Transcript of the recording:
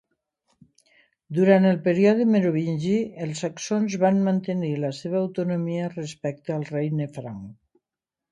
Durant el període merovingi els saxons van mantenir la seva autonomia respecte al regne franc.